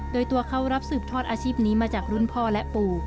โดยตัวเขารับสืบทอดอาชีพนี้มาจากรุ่นพ่อและปู่